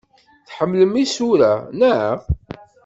Tḥemmlem isura, naɣ?